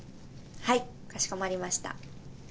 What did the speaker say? はいかしこまりました。